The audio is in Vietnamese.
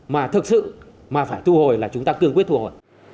mà thực sự mà phải thu hồi là chúng ta cương quyết thu hồi